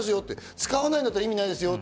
使わないなら意味ないですよって。